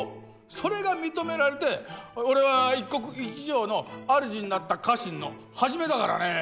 それが認められて俺は一国一城のあるじになった家臣のはじめだからね。